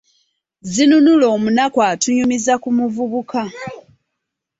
Zinunula omunaku atunyumiza ku muvubuka.